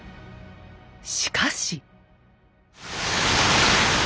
しかし。